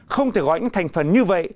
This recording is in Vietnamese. không thể gọi những thành phần như vậy